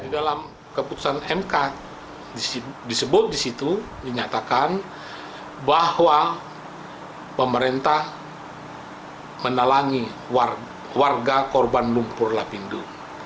dalam keputusan mk disebut disitu dinyatakan bahwa pemerintah menalangi warga korban lumpur lapindo